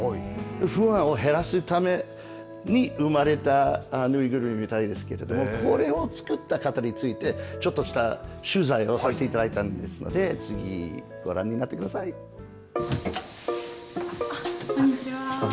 不安を減らすために生まれた縫いぐるみみたいですけれどもこれを作った方についてちょっとした取材をさせていただいたんですのでこんにちは。